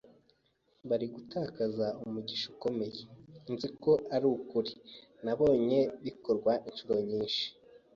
“Bari gutakaza umugisha ukomeye.” Nzi ko ibi ari ukuri. Nabonye bikorwa incuro nyinshi.